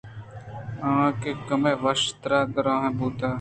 آ کہ کمّے وش تر ءُ درٛاہ بُوت